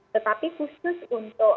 tetapi khusus untuk